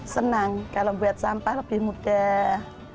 senang kalau buat sampah lebih mudah